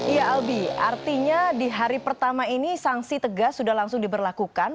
iya albi artinya di hari pertama ini sanksi tegas sudah langsung diberlakukan